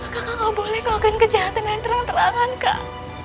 kakak gak boleh melakukan kejahatan yang terang terangan kak